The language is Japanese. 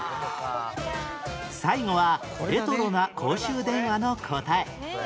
最後はレトロな公衆電話の答え